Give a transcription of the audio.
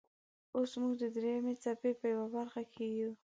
اوس موږ د دریمې څپې په یوه برخې کې یو.